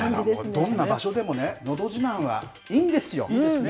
どんな場所でもね、のど自慢はいいんですよ。